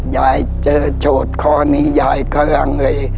ยายเจอโชฆ์ข้อนี้ยายกำลังเลย